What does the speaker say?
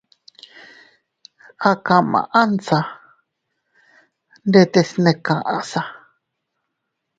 A kamansa ndetes ne kaʼsa.